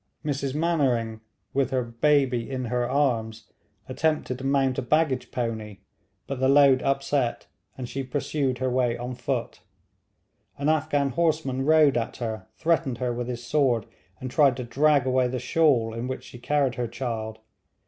Mrs Mainwaring, with her baby in her arms, attempted to mount a baggage pony, but the load upset, and she pursued her way on foot. An Afghan horseman rode at her, threatened her with his sword, and tried to drag away the shawl in which she carried her child.